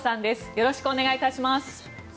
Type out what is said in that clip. よろしくお願いします。